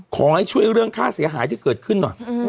ขอให้ช่วยเรื่องค่าเสียหายที่เกิดขึ้นหน่อย